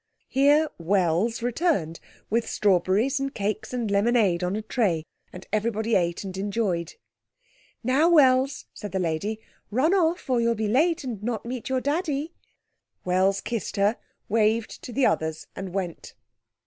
Here Wells returned with strawberries and cakes and lemonade on a tray, and everybody ate and enjoyed. "Now, Wells," said the lady, "run off or you'll be late and not meet your Daddy." Wells kissed her, waved to the others, and went.